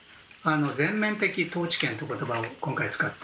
全面的統治権という言葉を今回は使った。